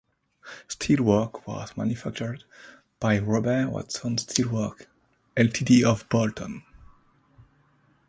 Steelwork was manufactured by Robert Watson Steelwork Ltd of Bolton.